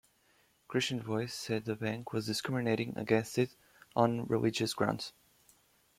Christian Voice said the bank was discriminating against it on religious grounds.